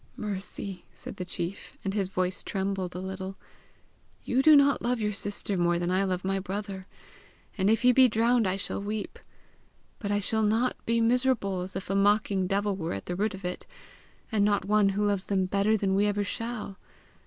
"Mercy," said the chief and his voice trembled a little, "you do not love your sister more than I love my brother, and if he be drowned I shall weep; but I shall not be miserable as if a mocking devil were at the root of it, and not one who loves them better than we ever shall.